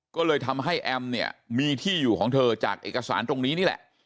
ก็เลยทำให้แอมเนี่ยมีที่อยู่ของเธอจากเอกสารตรงนี้นี่แหละ